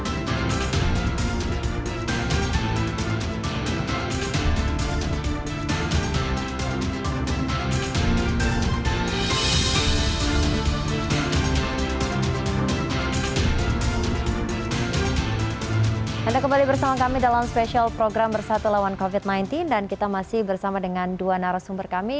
ini adalah program spesial bersatu lawan covid sembilan belas dan kita masih bersama dengan dua narasumber kami